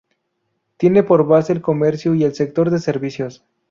Tiene por base el comercio y el sector de servicios.